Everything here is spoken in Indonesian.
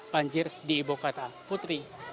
banjir di ibukata putri